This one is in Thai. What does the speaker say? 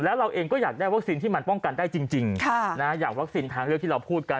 แล้วเราเองก็อยากได้วัคซีนที่มันป้องกันได้จริงอย่างวัคซีนทางเลือกที่เราพูดกัน